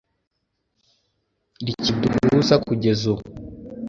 rikiduhuza kugeza ubu